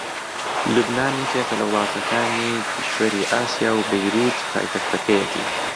لوبنان یەکێکە لە وڵاتەکانی کیشوەری ئاسیا و بەیرووت پایتەختەکەیەتی